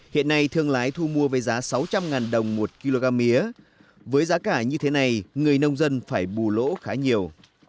hiện nay thương lái thu mua với giá sáu trăm linh đồng một kg mía với giá cả như thế này người nông dân phải bù lỗ khá nhiều